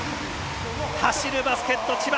走るバスケット、千葉